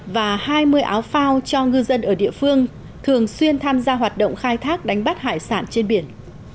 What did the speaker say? và hai mươi áo phao cho ngư dân ở địa phương thường xuyên tham gia hoạt động khai thác đánh bắt hải sản trên biển